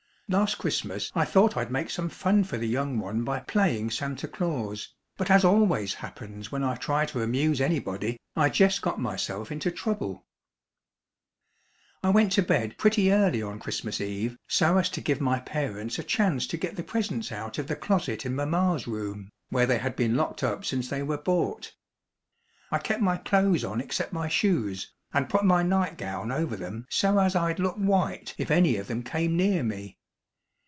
Last Christmas I thought I'd make some fun for the young one by playing Santa Claus, but as always happens when I try to amuse anybody I jes' got myself into trouble. I went to bed pretty early on Christmas Eve so as to give my parents a chance to get the presents out of the closet in mamma's room, where they had been locked up since they were bought. I kep' my clo'es on except my shoes, and put my nightgown over them so as I'd look white if any of them came near me.